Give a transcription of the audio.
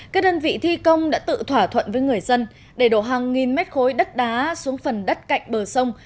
các đơn vị thi công đã tự thỏa thuận với người dân để đổ hàng nghìn mét khối đất đá xuống phần đất cạnh bờ sông